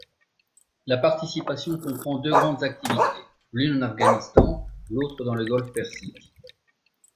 La participation comprend deux grandes activités: l'une en Afghanistan l'autre dans le golfe Persique.